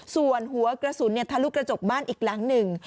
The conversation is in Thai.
ส่วนหัวกระสุนทะลุกระจกบ้านอีกหลังหนึ่ง